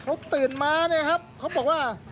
เขาตื่นมาเนี่ยครับเขาบอกว่า